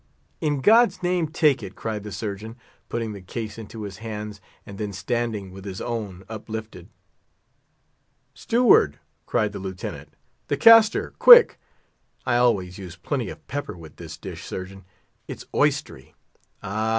"In God's name, take it!" cried the Surgeon, putting the case into his hands, and then standing with his own uplifted. "Steward!" cried the Lieutenant, "the castor—quick! I always use plenty of pepper with this dish, Surgeon; it's oystery. Ah!